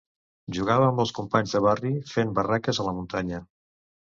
Jugava amb els companys de barri, fent barraques a la muntanya.